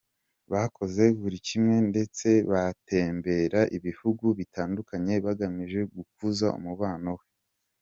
Bakoze buri kimwe ndetse batembereye ibihungu bitandukanye bagamije gukuza umubano we.